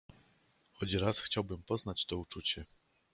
"Choć raz chciałbym poznać to uczucie."